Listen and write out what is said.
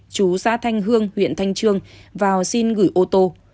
chú xã thanh hương huyện thanh trương vào xin gửi ô tô